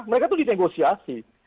mereka tuh ditenggosiasi